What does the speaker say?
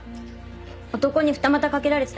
男に二股かけられてたみたい。